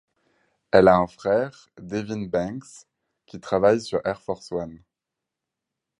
Elle a un frère, Devin Banks, qui travaille sur Air Force One.